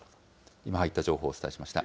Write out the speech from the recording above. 今入った情報をお伝えしました。